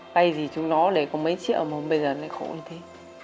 vay gì chúng nó để có mấy triệu mà không bây giờ lại khổ như thế